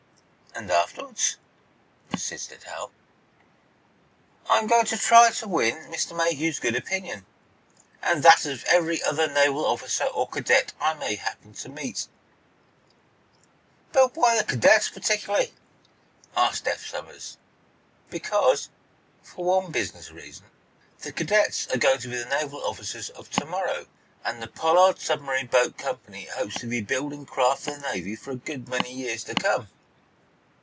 "And, afterwards?" persisted Hal. "I'm going to try to win Mr. Mayhew's good opinion, and that of every other naval officer or cadet I may happen to meet." "Why the cadets, particularly?" asked Eph Somers. "Because, for one business reason, the cadets are going to be the naval officers of to morrow, and the Pollard Submarine Boat Company hopes to be building craft for the Navy for a good many years to come."